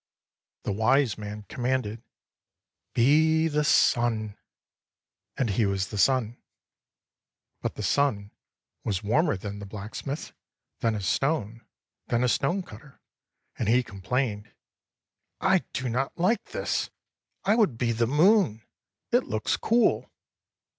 The wise man commanded, "Be the sun." And he was the sun. But the sun was warmer than the blacksmith, than a stone, than a stone cutter, and he complained, "I do not like this. I would be the moon. It looks cool."